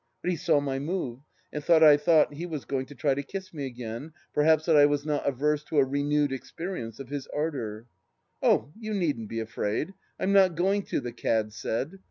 But he saw my move, and thought I thought he was going to try to kiss me again — perhaps that I was not averse to a renewed experience of his ardour ?..." Oh, you needn't be afraid, I'm not going to," the cad said.